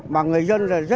mà người dân rất là